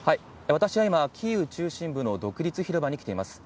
私は今、キーウ中心部の独立広場に来ています。